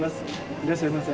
いらっしゃいませ。